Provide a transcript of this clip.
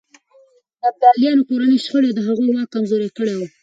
د ابدالیانو کورنۍ شخړې د هغوی واک کمزوری کړی و.